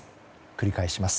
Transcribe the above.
繰り返します。